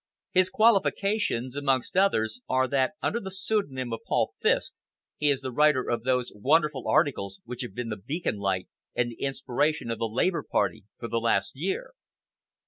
His qualifications, amongst others, are that under the pseudonym of 'Paul Fiske' he is the writer of those wonderful articles which have been the beacon light and the inspiration of the Labour Party for the last year."